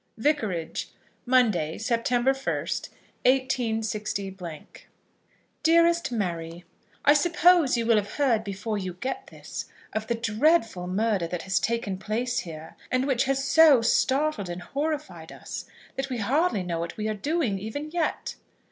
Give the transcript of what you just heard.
Vicarage, Monday, Sept. 1, 186 . DEAREST MARY, I suppose you will have heard before you get this of the dreadful murder that has taken place here, and which has so startled and horrified us, that we hardly know what we are doing even yet.